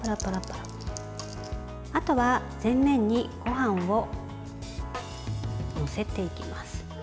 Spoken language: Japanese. あとは、全面にごはんを載せていきます。